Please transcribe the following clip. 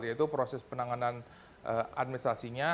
yaitu proses penanganan administrasinya